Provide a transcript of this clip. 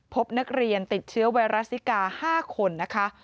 พบนักเรียนติดเชื้อไวรัสซิกา๕คนนะคะ